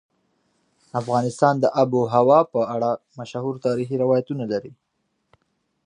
افغانستان د آب وهوا په اړه مشهور تاریخي روایتونه لري.